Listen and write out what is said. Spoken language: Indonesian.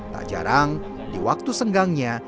tak jarang di waktu senggangnya